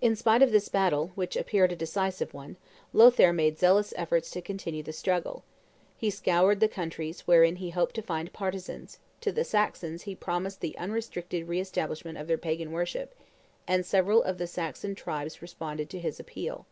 In spite of this battle, which appeared a decisive one, Lothaire made zealous efforts to continue the struggle; he scoured the countries wherein he hoped to find partisans: to the Saxons he promised the unrestricted re establishment of their pagan worship, and several of the Saxon tribes responded to his appeal.